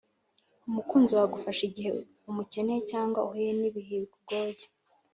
umukunzi wawe agufasha igihe umukeneye cyangwa uhuye n’ibihe bikugoye.